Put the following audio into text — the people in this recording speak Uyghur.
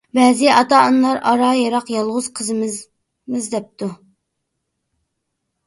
بەزى ئاتا-ئانىلار، ئارا يىراق، يالغۇز قىزىمىز، دەپتۇ.